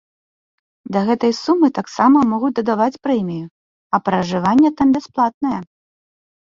Да гэтай сумы таксама могуць дадаваць прэмію, а пражыванне там бясплатнае.